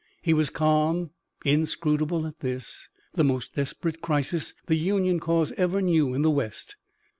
He was calm, inscrutable at this, the most desperate crisis the Union cause ever knew in the west.